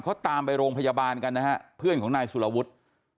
เขาตามไปโรงพยาบาลกันนะฮะเพื่อนของนายสุรวุฒิ